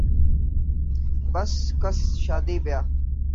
بس کس شادی بیاہ